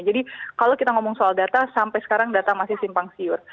jadi kalau kita ngomong soal data sampai sekarang data masih simpang siur